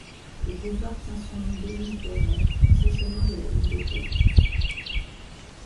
Le boulevard tient son nom d'Émile Pereire, concessionnaire de la ligne d'Auteuil.